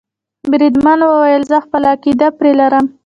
بریدمن وویل زه خپله عقیده پرې لرم.